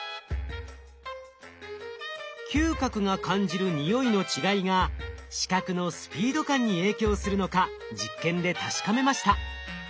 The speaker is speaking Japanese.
嗅覚が感じる匂いの違いが視覚のスピード感に影響するのか実験で確かめました。